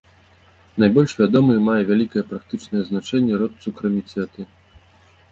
Найбольш вядомы і мае вялікае практычнае значэнне род цукраміцэты.